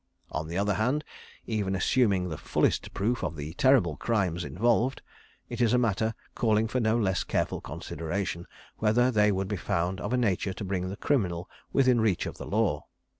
On the other hand, even assuming the fullest proof of the terrible crimes involved, it is a matter calling for no less careful consideration, whether they would be found of a nature to bring the criminal within reach of the law.